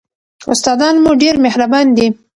استادان مو ډېر مهربان دي.